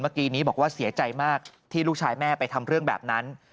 เมื่อกี้นี้บอกว่าเสียใจมากที่ลูกชายแม่ไปทำเรื่องแบบนั้น